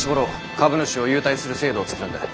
株主を優待する制度を作るんだ。